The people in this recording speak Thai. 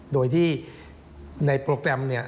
โดยที่ในโปรแกรมเนี่ย